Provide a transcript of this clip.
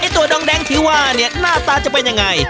ตัวดองแดงที่ว่าเนี่ยหน้าตาจะเป็นยังไง